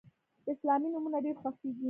اسلامي نومونه ډیر خوښیږي.